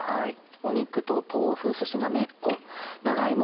肉と豆腐そしてなめこ長芋。